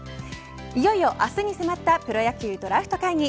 いよいよ明日に迫ったプロ野球ドラフト会議。